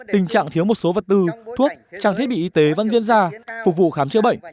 tình trạng thiếu một số vật tư thuốc trang thiết bị y tế vẫn diễn ra phục vụ khám chữa bệnh